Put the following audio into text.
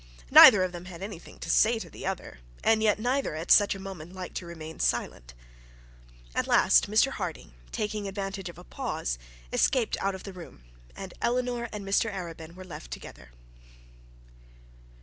Neither of them had anything to say to the other, and yet neither at such a moment liked to remain silent. At last Mr Harding, taking advantage of a pause, escaped from the room, and Eleanor and Mr Arabin were left together.